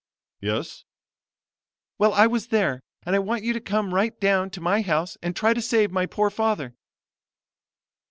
"'Yes.' "'Well, I was there, and I want you to come right down to my house and try to save my poor father.'